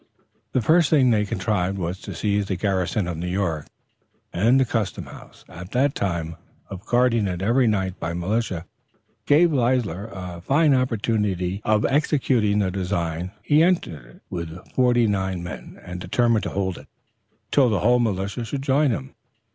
The first thing they contrived was to seize the garrison of New York; and the custom, at that time, of guarding it every night by militia gave Leisler a fine opportunity of executing the design. He entered it with forty nine men and determined to hold it till the whole militia should join him.